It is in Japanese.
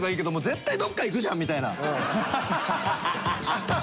絶対どっか行くじゃんみたいな。